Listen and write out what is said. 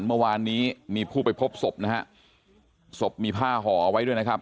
เมื่อวานนี้มีผู้ไปพบศพนะฮะศพมีผ้าห่อไว้ด้วยนะครับ